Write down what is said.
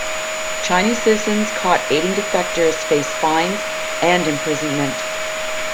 Chinese citizens caught aiding defectors face fines and imprisonment.